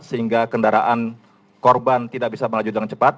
sehingga kendaraan korban tidak bisa melaju dengan cepat